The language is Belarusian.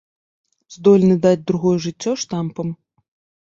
Здольны даць другое жыццё штампам.